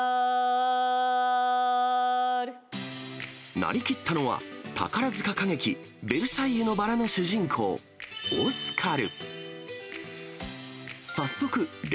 なりきったのは、宝塚歌劇、ベルサイユのばらの主人公、オスカル。